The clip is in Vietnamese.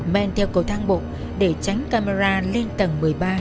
men theo cầu thang bộ để tránh camera lên tầng một mươi ba